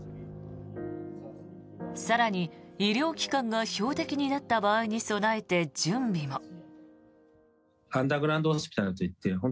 更に、医療機関が標的になった場合に備えて準備も。